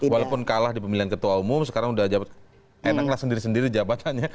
walaupun kalah di pemilihan ketua umum sekarang udah enaklah sendiri sendiri jabatannya